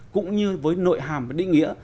cũng như với nội hàm và định nghĩa